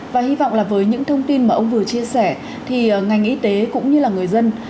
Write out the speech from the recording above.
và hy vọng là với những thông tin mà ông vừa chia sẻ thì ngành y tế cũng như là người dân